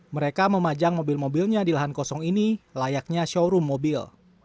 mereka memajang mobil mobilnya di lahan kosong ini layaknya showroom mobil